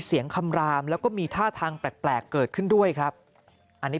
คำรามแล้วก็มีท่าทางแปลกเกิดขึ้นด้วยครับอันนี้